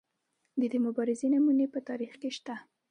د دې مبارزې نمونې په تاریخ کې شته.